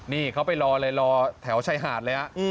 นี่เขาไปรอเลยรอแถวชายหาดเลย